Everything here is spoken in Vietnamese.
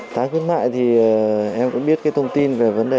tháng khuyến mại thì em cũng biết cái thông tin về vấn đề